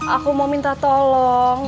aku mau minta tolong